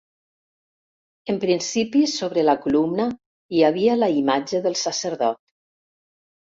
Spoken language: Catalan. En principi sobre la columna hi havia la imatge del sacerdot.